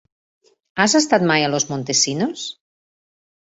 Has estat mai a Los Montesinos?